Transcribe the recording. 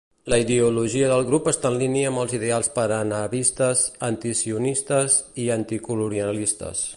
La ideologia del grup està en línia amb els ideals panarabistes, antisionistes i anticolonialistes.